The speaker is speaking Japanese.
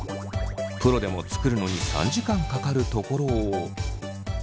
プロでも作るのに３時間かかるところを。